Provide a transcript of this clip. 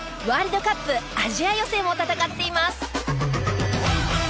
ワールドカップアジア予選を戦っています。